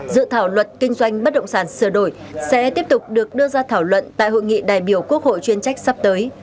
dự thảo luật kinh doanh bất động sản sửa đổi sẽ tiếp tục được đưa ra thảo luận tại hội nghị đại biểu quốc hội chuyên trách sắp tới